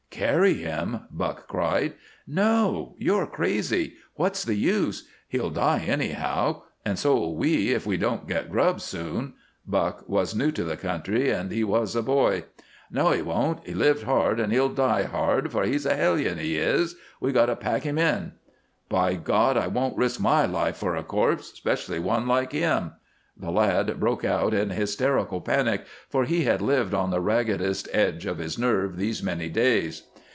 "Carry him?" Buck cried. "No! You're crazy! What's the use? He'll die, anyhow and so'll we if we don't get grub soon." Buck was new to the country, and he was a boy. "No, he won't. He lived hard and he'll die hard, for he's a hellion he is. We've got to pack him in!" "By God! I won't risk my life for a corpse 'specially one like him." The lad broke out in hysterical panic, for he had lived on the raggedest edge of his nerve these many days.